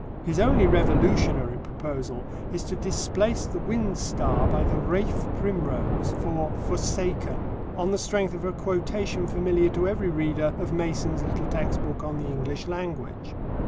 His only revolutionary proposal is to displace the wind star by the "rathe primrose" for Forsaken, on the strength of a quotation familiar to every reader of Mason's little text book on the English language.